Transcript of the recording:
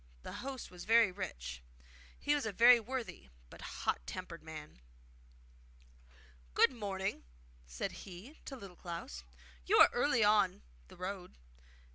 The host was very rich. He was a very worthy but hot tempered man. 'Good morning!' said he to Little Klaus. 'You are early on the road.